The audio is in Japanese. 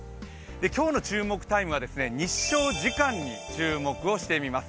今日の注目タイムは日照時間に注目をしてみます。